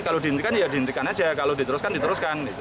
kalau dihentikan ya dihentikan aja kalau diteruskan diteruskan